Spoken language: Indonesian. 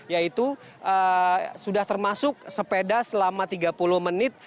yaitu sudah termasuk sepeda selama tiga puluh menit